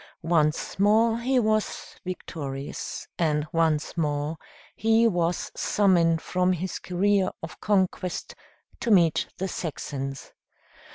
Once more he was victorious and once more he was summoned from his career of conquest to meet the Saxons.